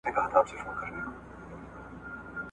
ته د پلار ښکنځل لیکلي وه `